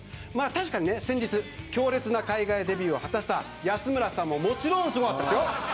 確かに先日強烈な海外デビューを果たした安村さんももちろんすごかったですよ。